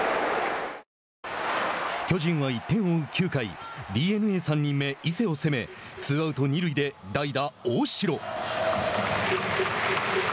巨人は１点を追う９回ＤｅＮＡ３人目、伊勢を攻めツーアウト、二塁で代打大城。